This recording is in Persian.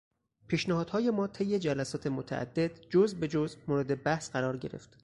پیشنهادهای ما طی جلسات متعدد جز به جز مورد بحث قرار گرفت.